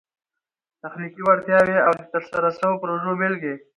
تخنیکي وړتیاوي او د ترسره سوو پروژو بيلګي